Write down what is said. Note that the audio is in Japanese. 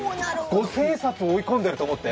五千円札を追い込んでいると思って。